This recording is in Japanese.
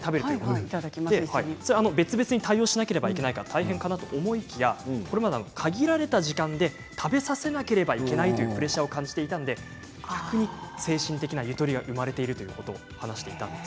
別々に対応しなければいけないから大変かと思いきや限られた時間で食べさせなくてはいけないというプレッシャーを感じていたので精神的なゆとりが生まれているということを話していました。